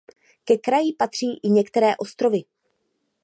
Ke kraji patří i některé ostrovy.